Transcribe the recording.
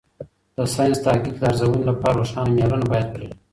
د ساینسي تحقیق د ارزونې لپاره روښانه معیارونه باید ولري.